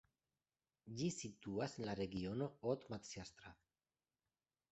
Ĝi situas en la regiono Haute-Matsiatra.